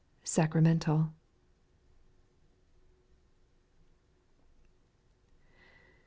(sacramental.) 1.